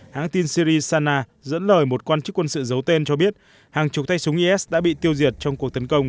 hãng tin syri sana dẫn lời một quan chức quân sự giấu tên cho biết hàng chục tay súng is đã bị tiêu diệt trong cuộc tấn công